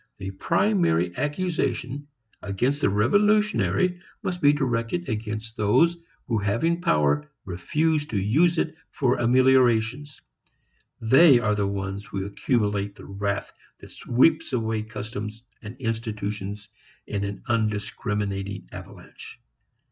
The primary accusation against the revolutionary must be directed against those who having power refuse to use it for ameliorations. They are the ones who accumulate the wrath that sweeps away customs and institutions in an undiscriminating avalanche.